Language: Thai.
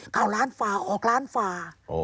เข้าร้านฝ่าออกล้านฝ่า